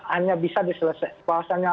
hanya bisa diselesaikan bahasanya